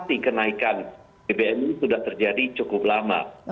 oke baik artinya ini memang sebuah keniscayaan seperti yang tadi pak edi sampaikan di awal